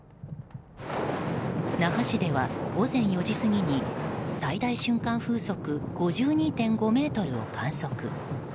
那覇市では午前４時過ぎに最大瞬間風速５２．５メートルを観測。